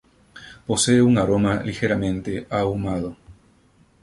Poseen un aroma ligeramente ahumado.